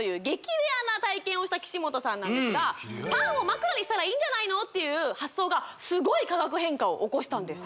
レアな体験をした岸本さんなんですがパンを枕にしたらいいんじゃないのっていう発想がスゴい化学変化を起こしたんです